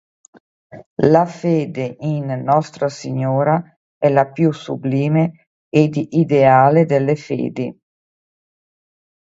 La fede in Nostra Signora è la più sublime ed ideale delle fedi.